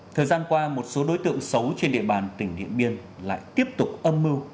thời gian qua một số đối tượng xấu trên địa bàn tỉnh điện biên lại tiếp tục âm mưu